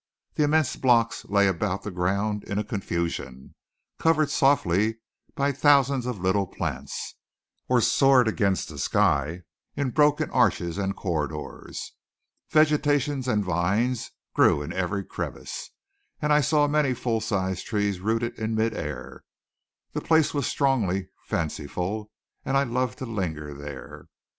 The immense blocks lay about the ground in a confusion, covered softly by thousands of little plants; or soared against the sky in broken arches and corridors. Vegetation and vines grew in every crevice; and I saw many full sized trees rooted in midair. The place was strongly fanciful; and I loved to linger there.